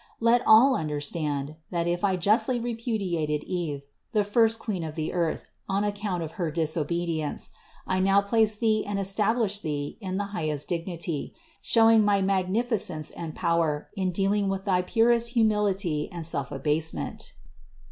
Let all understand, that if I justly repudiated Eve, the first queen of the earth, on account of her disobedience, I now place thee and establish thee in the highest dignity, showing my magnificence and power in dealing with thy purest humility and self abasement."